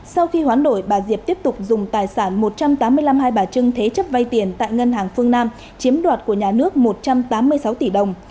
sau khi hoán đổi bà diệp tiếp tục dùng tài sản một trăm tám mươi năm hai bà trưng thế chấp vay tiền tại ngân hàng phương nam chiếm đoạt của nhà nước một trăm tám mươi sáu tỷ đồng